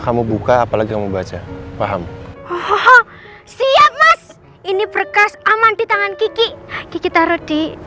kamu buka apalagi membaca paham hoho siap mas ini berkas aman di tangan kiki kiki taruh di